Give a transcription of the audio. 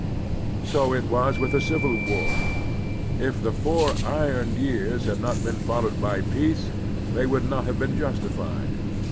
So it was with the Civil War. If the four iron years had not been followed by peace, they would not have been justified.